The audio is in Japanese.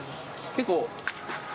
結構。